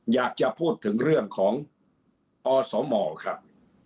อยากจะพูดถึงเรื่องของอสมครับ